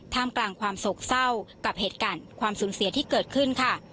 กลางความโศกเศร้ากับเหตุการณ์ความสูญเสียที่เกิดขึ้นค่ะ